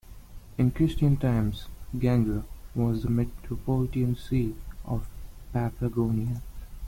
In Christian times, Gangra was the metropolitan see of Paphlagonia.